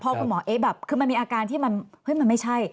เพราะคุณหมอเอ๊ะแบบคือมันมีอาการที่มันไม่ใช่